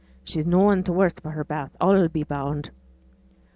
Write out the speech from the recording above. She's noane t' worse for her bath, a'll be bound.'